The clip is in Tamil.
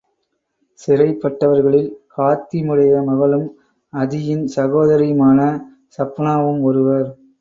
சிறைப்பட்டவர்களில் ஹாத்திமுடைய மகளும், அதியின் சகோதரியுமான ஸஃப்பானாவும் ஒருவர்.